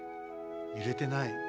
ゆれてない。